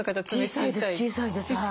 小さいです小さいです。